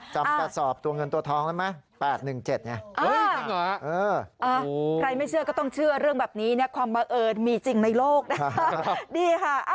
กระสอบตัวเงินตัวทองได้ไหม๘๑๗ไงใครไม่เชื่อก็ต้องเชื่อเรื่องแบบนี้นะความบังเอิญมีจริงในโลกนะคะ